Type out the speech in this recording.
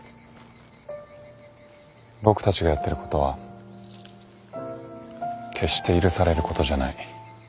僕たちがやってることは決して許されることじゃない。